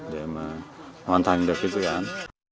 để mà hoàn thành được dự án